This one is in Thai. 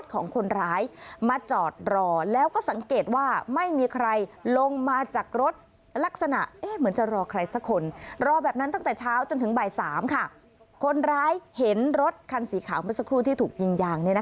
คนร้ายเห็นรถคันสีขาวเมื่อสักครู่ที่ถูกยิงยาง